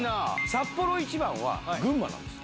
サッポロ一番は群馬です。